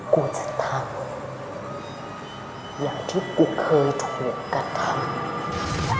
กูจะทำอย่างที่กูเคยถูกกระทำ